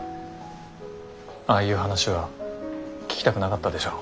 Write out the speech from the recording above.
ああいう話は聞きたくなかったでしょう。